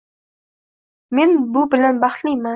Men bu bilan baxtliman.